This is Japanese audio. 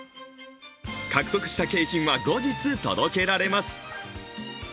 獲得した景品は後日届けられます。